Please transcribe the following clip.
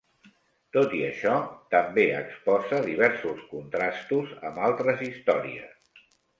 Tot i això, també exposa diversos contrastos amb altres històries.